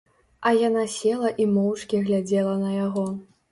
А яна села і моўчкі глядзела на яго.